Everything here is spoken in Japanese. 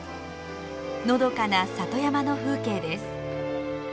のどかな里山の風景です。